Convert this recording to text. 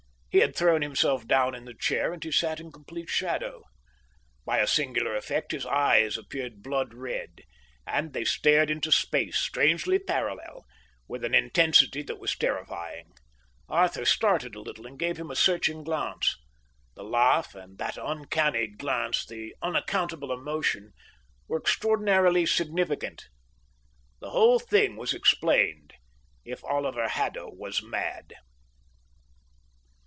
He had thrown himself down in the chair, and he sat in complete shadow. By a singular effect his eyes appeared blood red, and they stared into space, strangely parallel, with an intensity that was terrifying. Arthur started a little and gave him a searching glance. The laugh and that uncanny glance, the unaccountable emotion, were extraordinarily significant. The whole thing was explained if Oliver Haddo was mad.